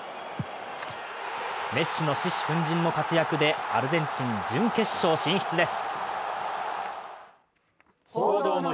メッシの獅子奮迅の活躍でアルゼンチン準決勝進出です。